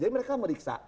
jadi mereka meriksa